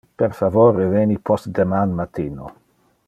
Per favor reveni postdeman matino.